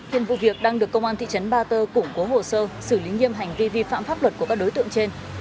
hiện vụ việc đang được công an thị trấn ba tơ củng cố hồ sơ xử lý nghiêm hành vi vi phạm pháp luật của các đối tượng trên